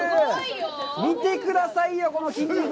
見てくださいよ、この筋肉！